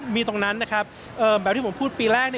มีตรงนั้นนะครับแบบที่ผมพูดปีแรก